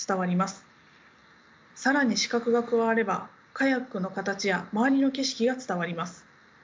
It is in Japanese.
更に視覚が加わればカヤックの形や周りの景色が伝わります。